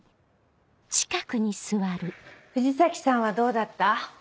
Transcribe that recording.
藤崎さんはどうだった？